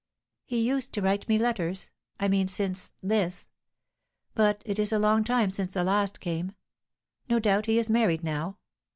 "He used to write me letters; I mean, since this. But it is a long time since the last came. No doubt he is married now.